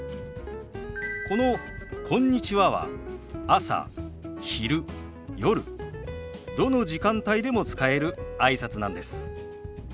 この「こんにちは」は朝昼夜どの時間帯でも使えるあいさつなんです。